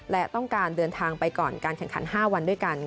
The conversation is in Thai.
และต้องการเดินทางไปก่อนการแข่งขัน๕วันด้วยกัน